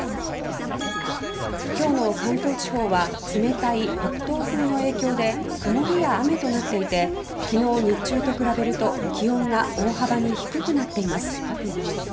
今日の関東地方は冷たい北東風の影響で曇りや雨となっていて昨日日中と比べると気温が大幅に低くなっています。